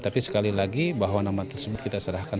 tapi sekali lagi bahwa nama tersebut kita serahkan